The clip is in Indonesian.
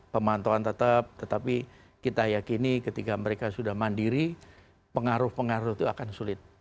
pemantauan tetap tetapi kita yakini ketika mereka sudah mandiri pengaruh pengaruh itu akan sulit